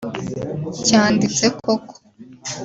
cyanditse ko